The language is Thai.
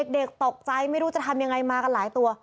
เด็กตกใจไม่รู้จะทำยังไงมากันหลายตัว